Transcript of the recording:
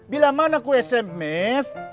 bila mana aku sms bisa dapet mobil aku